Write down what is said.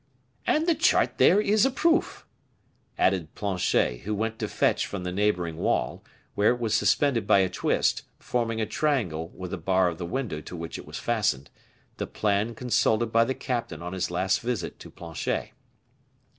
"And the chart is there as a proof," added Planchet, who went to fetch from the neighboring wall, where it was suspended by a twist, forming a triangle with the bar of the window to which it was fastened, the plan consulted by the captain on his last visit to Planchet.